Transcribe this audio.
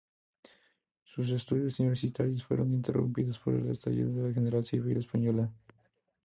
Sus estudios universitarios fueron interrumpidos por el estallido de la Guerra Civil Española.